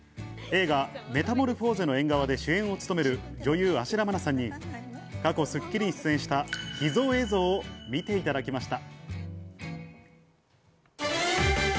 映画『メタモルフォーゼの縁側』で主演を務める女優・芦田愛菜さんに過去『スッキリ』に出演した秘蔵映像を見ていただきました。